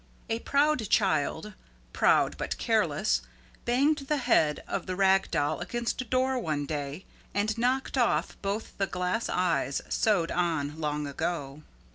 A proud child, proud but careless, banged the head of the Rag Doll against a door one day and knocked off both the glass eyes sewed on long ago.